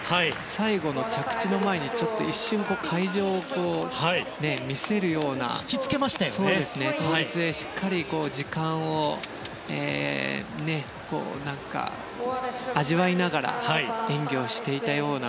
最後の着地の前にちょっと一瞬会場を見据えるようなポーズで倒立でしっかり時間を味わいながら演技をしていたような